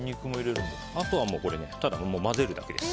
あとは、ただ混ぜるだけです。